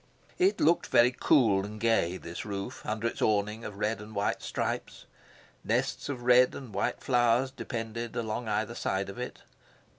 It looked very cool and gay, this roof, under its awning of red and white stripes. Nests of red and white flowers depended along either side of it.